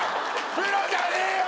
プロじゃねえよ！